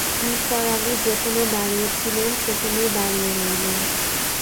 নিসার আলি যেখানে দাঁড়িয়ে ছিলেন, সেখানেই দাঁড়িয়ে রইলেন।